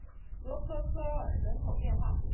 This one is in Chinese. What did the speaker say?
罗科科尔人口变化图示